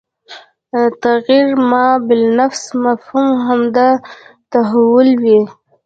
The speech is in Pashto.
تغیر ما بالانفس مفهوم همدا تحول وي